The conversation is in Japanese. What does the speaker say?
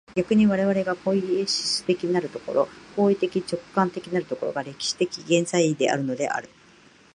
逆に我々がポイエシス的なる所、行為的直観的なる所が、歴史的現在であるのである。